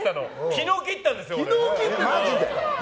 昨日切ったんですよ、俺。